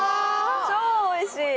超おいしい！